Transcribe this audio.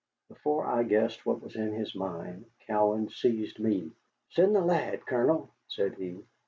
Before I guessed what was in his mind, Cowan seized me. "Send the lad, Colonel," said he.